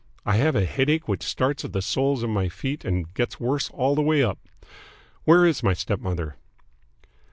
I have a headache which starts at the soles of my feet and gets worse all the way up. Where is my stepmother?"